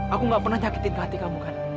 aku gak pernah nyakitin hati kamu kan